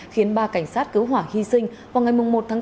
khiến ba cảnh sát cứu hỏa hy sinh vào ngày một tám hai nghìn hai mươi hai